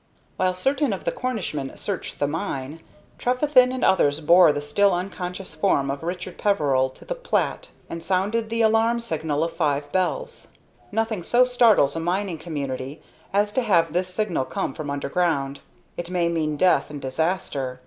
While certain of the Cornishmen searched the mine, Trefethen and others bore the still unconscious form of Richard Peveril to the plat, and sounded the alarm signal of five bells. Nothing so startles a mining community as to have this signal come from underground. It may mean death and disaster.